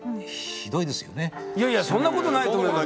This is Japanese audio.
いやいやそんなことないと思います。